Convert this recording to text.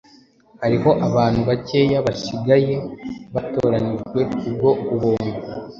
hariho abantu bakeya basigaye batoranijwe kubwo ubuntu.”